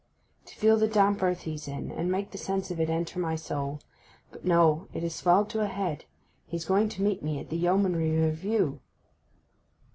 'To feel the damp earth he's in, and make the sense of it enter my soul. But no. It has swelled to a head; he is going to meet me at the Yeomanry Review.